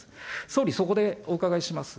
総理、そこでお伺いします。